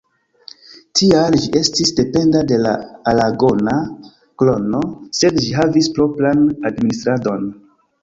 Tial ĝi estis dependa de la aragona krono sed ĝi havis propran administradon.